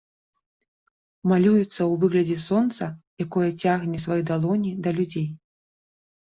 Малюецца ў выглядзе сонца, якое цягне свае далоні да людзей.